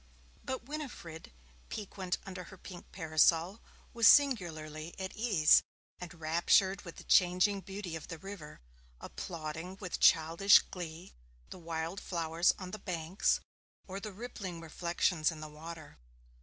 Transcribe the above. But Winifred, piquant under her pink parasol, was singularly at ease, enraptured with the changing beauty of the river, applauding with childish glee the wild flowers on the banks, or the rippling reflections in the water.